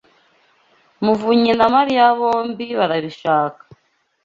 muvunyi na Mariya bombi barabishaka.